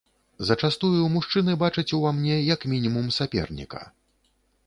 Зачастую мужчыны бачаць у ва мне як мінімум саперніка.